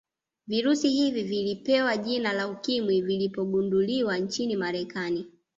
Virusi hivi vilipewa jina la ukimwi vilipogunduliwa nchini marekani